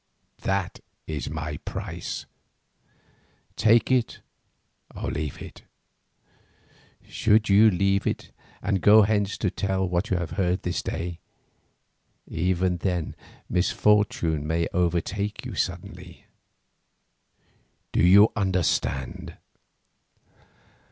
That is my price; take it or leave it. Should you leave it and go hence to tell what you have heard this day, even then misfortune may overtake you suddenly. Do you understand?"